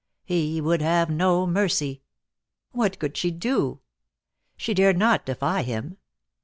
He would have no mercy. What could she do? She dared not defy him.